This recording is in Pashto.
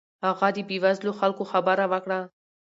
هغه د بې وزلو خلکو خبره وکړه.